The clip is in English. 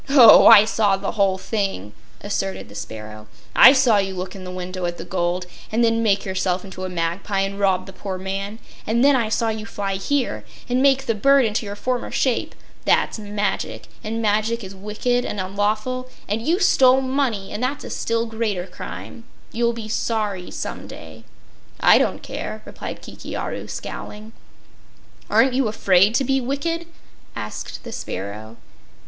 "Oh, I saw the whole thing," asserted the sparrow. "I saw you look in the window at the gold, and then make yourself into a magpie and rob the poor man, and then I saw you fly here and make the bird into your former shape. That's magic, and magic is wicked and unlawful; and you stole money, and that's a still greater crime. You'll be sorry, some day." "I don't care," replied Kiki Aru, scowling. "Aren't you afraid to be wicked?" asked the sparrow.